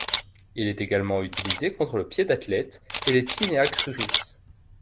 Il est également utilisé contre le pied d'athlète et les tinea cruris.